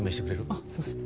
あっすいません